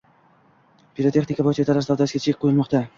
Pirotexnika vositalari savdosiga chek qo‘yilmoqda